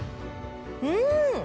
うん！